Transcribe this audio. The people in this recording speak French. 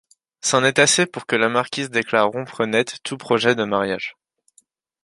C’en est assez pour que la marquise déclare rompre net tout projet de mariage.